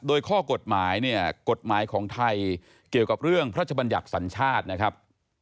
โดยข้อกฎหมายเนี่ยกฎหมายของไทยเกี่ยวกับเรื่องพระชบัญญัติสัญชาตินะครับ